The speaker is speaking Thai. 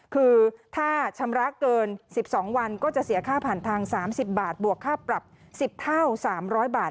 คือถ้าชำระเกิน๑๒วันก็จะเสียค่าผ่านทาง๓๐บาทบวกค่าปรับ๑๐เท่า๓๐๐บาท